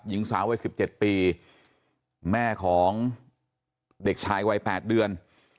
หญิงสาววัย๑๗ปีแม่ของเด็กชายวัย๘เดือน